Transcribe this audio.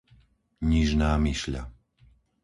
Nižná Myšľa